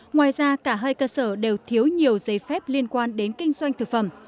ngoài ra cả hai cơ sở đều thiếu nhiều giấy phép liên quan đến kinh doanh thực phẩm